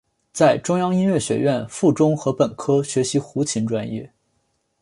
在中央音乐学院附中和本科学习胡琴专业。